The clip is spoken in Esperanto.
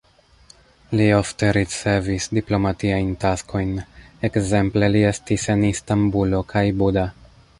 Li ofte ricevis diplomatiajn taskojn, ekzemple li estis en Istanbulo kaj Buda.